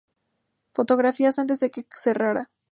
Fotografías antes de que cerrara